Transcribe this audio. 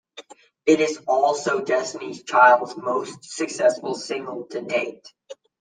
It is also Destiny's Child's most successful single to date.